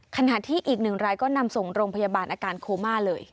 ขณะที่อีกหนึ่งรายก็นำส่งโรงพยาบาลอาการโคม่าเลย